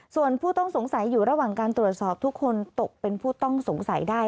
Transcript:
ส่วนผู้ต้องสงสัยอยู่ระหว่างการตรวจสอบทุกคนตกเป็นผู้ต้องสงสัยได้